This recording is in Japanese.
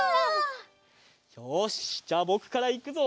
よしじゃあぼくからいくぞ！